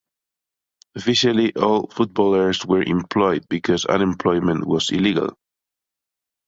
Officially all footballers were employed because unemployment was illegal.